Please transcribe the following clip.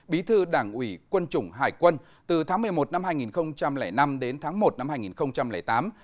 bí thư đảng ủy quân chủng hải quân từ tháng một mươi một năm hai nghìn năm đến tháng một năm hai nghìn tám